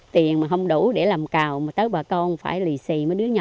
tiền mà không đủ để làm cào mà tới bà con phải lì xì mới đứa nhỏ